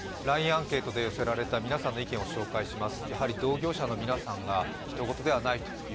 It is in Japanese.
アンケートで寄せられた皆さんの意見を紹介します。